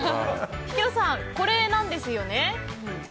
ヒキノさん、これなんですよね？